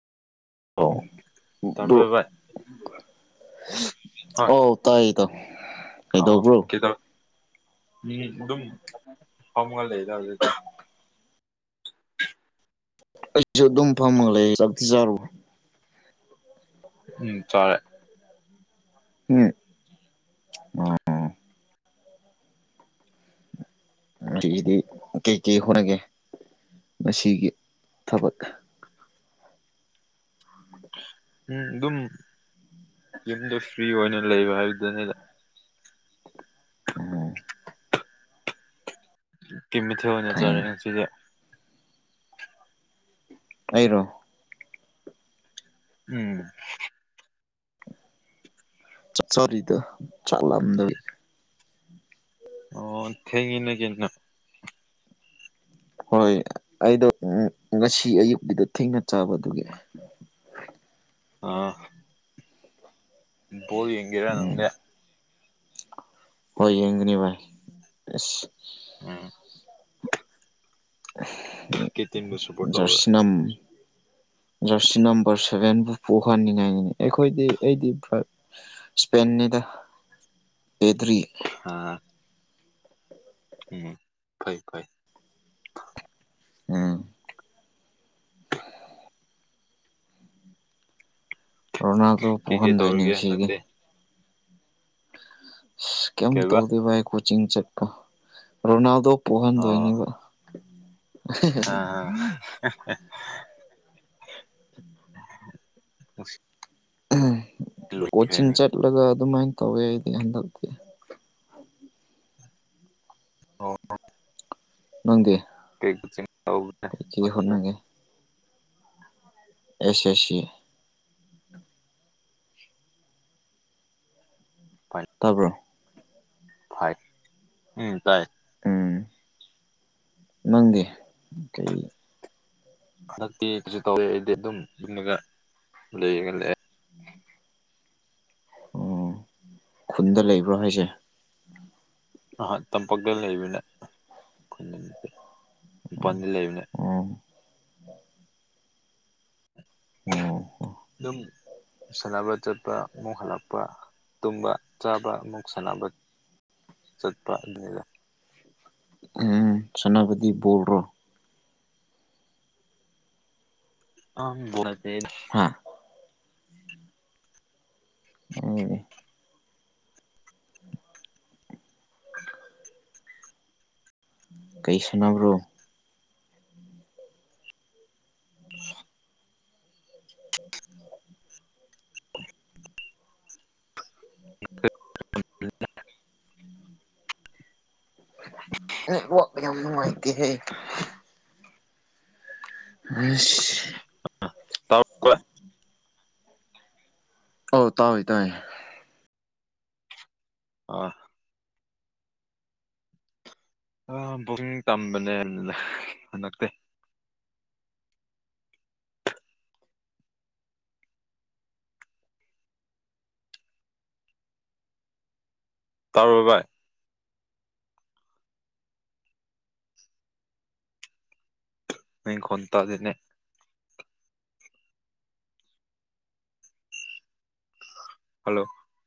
ꯇꯥꯕ꯭ꯔꯣ ꯚꯥꯏ ꯑꯧ ꯇꯥꯏ ꯏꯇꯥꯎ ꯑꯧ ꯀꯩꯗꯧꯕ꯭ꯔꯣ ꯀꯩꯗꯧꯔꯝꯃꯤꯅꫭ ꯎꯝ ꯎ ꯐꯃꯒꯜꯗꯗ ꯑꯩꯁꯨ ꯑꯗꯨꯝ ꯐꯃ ꯂꯩ ꯆꯤ ꯆꯥꯔꯨ ꯎꯝ ꯆꯔꯦ ꯍꯝ ꯑ ꯗꯤ ꯀꯩ ꯀꯩ ꯍꯔꯒꯦ ꯃꯁꯤꯒꯤ ꯊꯕꯛ ꯎꯝ ꯑꯗꯨꯝ ꯌꯨꯝꯗ ꯐ꯭ꯔꯤ ꯑꯣꯏꯅ ꯂꯩꯕ ꯍꯥꯏꯕꯗꯨꯅꯤꯗ ꯎꯝ ꯀꯃꯦ ꯊꯅꯦ ꯐꯩꯅꯦ ꯆꯔꯁꯤꯗ ꯑꯧꯔꯣ ꯎꯝ ꯆꯣꯔꯤꯗ ꯆꯠꯂꯝꯗ ꯑꯣ ꯍꯦꯡꯉꯅꯒꯦꯅ ꯍꯣꯏ ꯑꯩꯗꯣ ꯉꯁꯤ ꯑꯌꯨꯛꯀꯤꯗ ꯊꯦꯡꯅ ꯆꯥꯕꯗꯨꯒꯤ [unintelligible] ꯑꯥ ꯕꯣꯜ ꯌꯦꯡꯒꯤꯔ ꯎꯝ ꯅꯪꯒ ꯍꯣꯏ ꯌꯦꯒꯅꯤ ꯚꯥꯏ ꯑꯁ ꯎꯝ ꯀꯩ ꯇꯤꯝꯕꯨ ꯁꯞꯄꯣꯔꯠ ꯇꯧꯕ꯭ꯔꯥ ꯖꯔꯁꯤꯅꯥꯝ ꯁꯤ ꯅꯝꯕꯔ ꯁꯚꯦꯟꯕꯨ ꯄꯣꯛꯍꯟꯅꯤꯡꯉꯥꯏꯅꯤ ꯑꯩꯈꯣꯏꯗꯤ ꯑꯩꯗꯤ ꯏꯁꯄꯦꯟ ꯄꯦꯥꯗꯔꯤꯌꯦ ꯑ ꯎꯝ ꯐꯩ ꯐꯥꯏ ꯎꯝ ꯔꯣꯅꯥꯜꯗꯣ ꯀꯩꯀꯩ ꯄꯨꯍꯟꯗꯣꯏꯅꯤ ꯇꯧꯔꯤꯒꯦ ꯁꯤꯗꯤ ꯍꯟꯗꯛꯇꯤ ꯀꯩꯝ ꯀꯩꯕ ꯇꯧꯗ ꯚꯥꯏ ꯀꯣꯆꯤꯡ ꯆꯠꯀ ꯔꯣꯅꯥꯜꯗꯣ ꯄꯣꯛꯍꯟꯗꯣꯏꯅꯦꯕ ꯑ ꯑ ꯀꯣꯆꯤꯡ ꯆꯠꯂꯒ ꯑꯗꯨꯃꯥꯏꯅ ꯇꯧꯋꯦ ꯑꯩꯗꯤ ꯍꯟꯗꯛꯇꯤ ꯑ ꯅꯪꯗꯤ ꯀ ꯆꯕ꯭ꯔꯦ ꯀꯩꯀꯩ ꯑꯁꯁꯤ ꯇꯥꯔꯕ ꯐꯥꯏ ꯎꯝ ꯇꯥꯏ ꯎꯝ ꯅꯪꯒꯦ ꯀꯩ ꯍꯟꯗꯛꯇꯤ ꯀꯩꯁꯨ ꯇꯧꯋꯦ ꯑꯩꯗꯤ ꯑꯗꯨꯝ ꯌꯂꯒ ꯂꯩꯔꯒ ꯂꯑꯦ ꯑꯣ ꯈꯨꯟꯗ ꯂꯩꯕ꯭ꯔꯣ ꯍꯥꯏꯁꯦ ꯑꯍ ꯇꯝꯄꯥꯛꯛꯇ ꯂꯩꯕꯅ ꯑꯩꯈ ꯏꯄꯅꯤ ꯂꯩꯕꯅꯦ ꯑ ꯑꯗꯨꯝ ꯁꯥꯟꯅꯕ ꯆꯠꯄ ꯑꯃꯨꯛ ꯍꯜꯂꯛꯄ ꯇꯨꯝꯕ ꯆꯥꯕ ꯑꯃꯨꯛ ꯁꯥꯟꯅꯕ ꯆꯠꯄ ꯂꯩꯗ ꯎ ꯁꯣꯅꯥꯄꯗꯤꯤ ꯣꯜ꯭ꯔꯣ ꯑꯣꯦ ꯍꯥ ꯑꯦ ꯀꯩꯁꯅꯕ꯭ꯔꯣ [unintelligible] [unintelligible] ꯌꯥꯝꯅꯨꯡꯉ ꯀꯍꯦ ꯑ ꯑ ꯇꯥꯎꯏ ꯇꯏꯦ ꯑꯥ ꯑ ꯕꯛ ꯇꯝꯕꯅꯦ ꯍꯟꯗꯛꯇꯤ ꯇꯥꯔꯔꯕꯕꯥ ꯅ ꯈꯟꯇꯗꯅꯦ ꯍꯜꯂꯣ